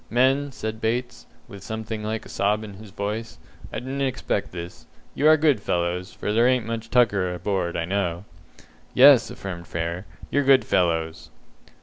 "Men," said Bates, with something like a sob in his voice, "I didn't expect this. You are good fellows, for there ain't much tucker aboard, I know." "Yes," affirmed Frere, "you're good fellows."